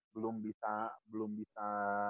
belum bisa belum bisa